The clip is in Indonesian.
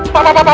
pak pak pak pak